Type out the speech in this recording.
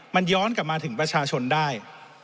มันย้อนกลับมาถึงประชาชนได้